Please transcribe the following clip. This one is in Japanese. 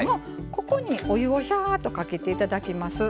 ここにお湯をしゃっとかけて頂きます。